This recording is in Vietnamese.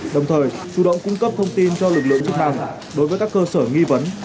đồng thời chủ động cung cấp thông tin cho lực lượng chức năng đối với các cơ sở nghi vấn